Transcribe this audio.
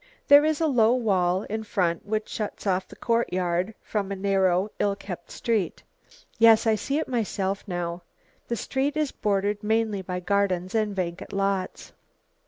"There is a low wall in front which shuts off the courtyard from a narrow, ill kept street." "Yes, I see it myself now. The street is bordered mainly by gardens and vacant lots."